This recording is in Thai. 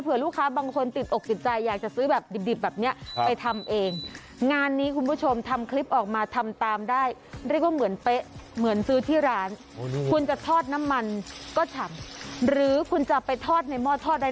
เผื่อลูกค้าบางคนติดอกจิตใจอยากจะซื้อแบบดิบแบบเนี่ยไปทำเอง